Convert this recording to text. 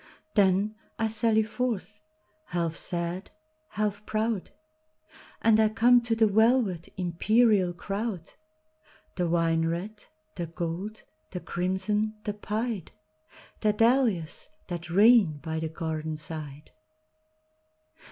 Then, I sally forth, half sad, half proud, And I come to the velvet, imperial crowd, The wine red, the gold, the crimson, the pied,—The dahlias that reign by the garden side.